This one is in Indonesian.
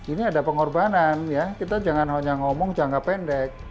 ini ada pengorbanan ya kita jangan hanya ngomong jangka pendek